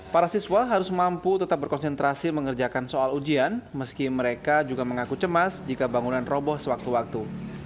para siswa harus mampu tetap berkonsentrasi mengerjakan soal ujian meski mereka juga mengaku cemas jika bangunan roboh sewaktu waktu